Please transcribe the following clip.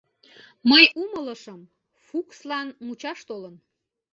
Мый умылышым: Фукслан мучаш толын.